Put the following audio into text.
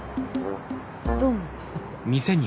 どうも。